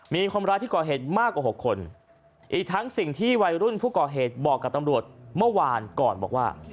มีคนร้ายที่ก่อเหตุมากกว่า๖คนอีกทั้งสิ่งที่วัยรุ่นผู้ก่อเหตุบอกกับตำรวจเมื่อวานก่อนบอกว่า